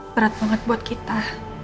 berat banget buat kita